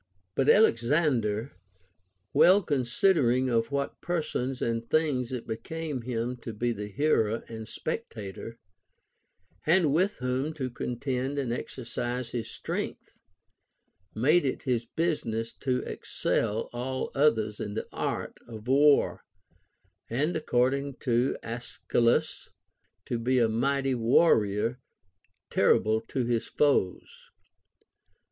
2. But Alexander, well considering of what persons and things it became him to be the hearer and spectator, and with whom to contend and exercise his strength, made it his business to excel all others in the art of war, and ac cording to Aeschylus, to be A mighty warrior, terrible to his foes.